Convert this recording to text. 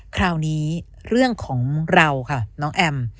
คราวนี้เรื่องของเราค่ะน้องแอม